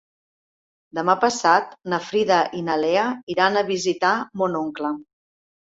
Demà passat na Frida i na Lea iran a visitar mon oncle.